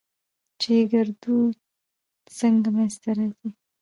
چې ګړدود څنګه منځ ته راځي؟